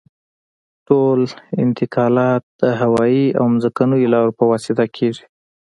ټول انتقالات د هوایي او ځمکنیو لارو په واسطه کیږي